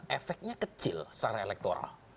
efeknya kecil secara elektoral